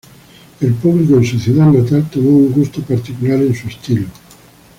El público en su ciudad natal tomó un gusto particular en su estilo.